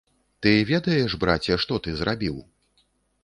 Ты ведаеш, браце, што ты зрабіў?